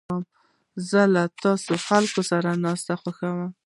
زه له ښو خلکو سره ناستې خوښوم.